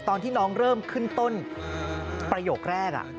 ตอนที่น้องเริ่มขึ้นต้นประโยคแรก